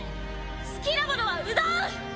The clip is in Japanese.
好きなものはうどん！